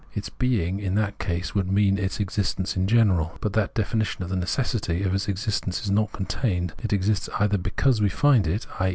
Its being in that case would mean its existence in general. But in that definition the necessity of its existence is not contained ; it exists either because we find it, i.